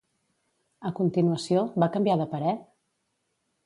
A continuació, va canviar de parer?